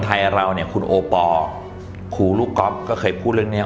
ไทยเราเนี่ยคุณโอปอลครูลูกก๊อฟก็เคยพูดเรื่องนี้